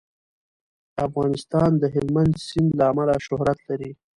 افغانستان د هلمند سیند له امله شهرت لري.